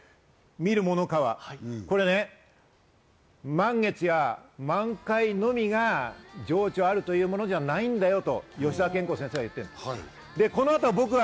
満月や満開のみが情緒あるというものじゃないんだよという、吉田兼好先生は言ってます。